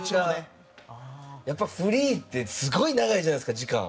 やっぱフリーってすごい長いじゃないですか時間。